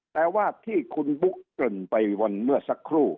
แต่ว่าที่คุณบุ๊กเกริ่นไปวันเมื่อสักครู่